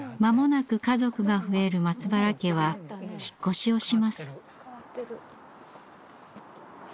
間もなく家族が増える松原家は引っ越しをします。